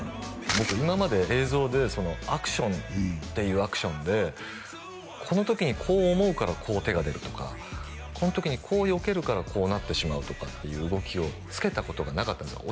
僕今まで映像でアクションっていうアクションでこの時にこう思うからこう手が出るとかこの時にこうよけるからこうなってしまうとかっていう動きをつけたことがなかったんですよ